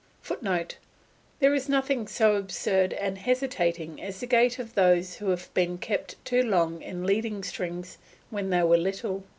[Footnote: There is nothing so absurd and hesitating as the gait of those who have been kept too long in leading strings when they were little.